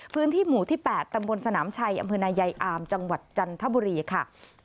พื้นที่หมู่ที่๘ตำบลสนามชัยอำเภอนายายอามจังหวัดจันทบุรีค่ะ